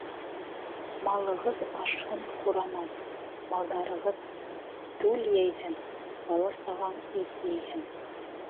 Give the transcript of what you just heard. Малығыҙ ашһын ҡуранан, Малдарығыҙ түл йәйһен, Бала-сағаң ит ейһен!